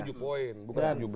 udah tujuh poin bukan tujuh belas